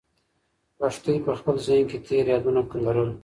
لښتې په خپل ذهن کې تېر یادونه لرل.